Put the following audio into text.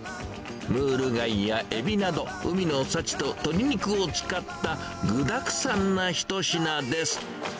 ムール貝やエビなど、海の幸と鶏肉を使った、具だくさんな一品です。